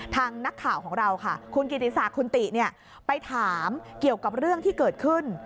นักข่าวของเราค่ะคุณกิติศักดิ์คุณติไปถามเกี่ยวกับเรื่องที่เกิดขึ้น